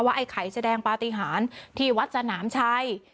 ไอ้ไข่แสดงปฏิหารที่วัดสนามชัย